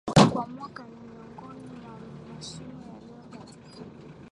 kwa mwaka Ni miongoni mwa mashimo yaliyo katika